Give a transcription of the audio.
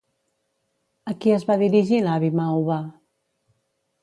A qui es va dirigir l'avi Mauva?